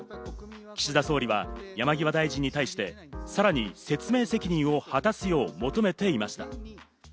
岸田総理は山際大臣に対してさらに説明責任を果たすよう求めていました。